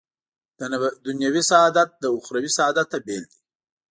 دنیوي سعادت له اخروي سعادته بېل دی.